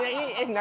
何？